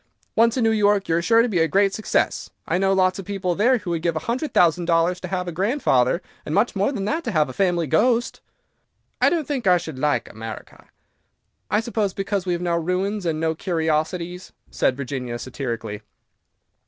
Once in New York, you are sure to be a great success. I know lots of people there who would give a hundred thousand dollars to have a grandfather, and much more than that to have a family ghost." "I don't think I should like America." "I suppose because we have no ruins and no curiosities," said Virginia, satirically.